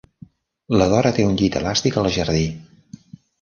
La Dora té un llit elàstic al jardí.